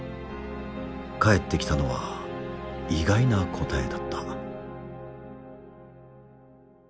返ってきたのは意外な答えだった。